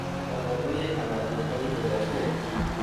بقایای تمدنهای گذشته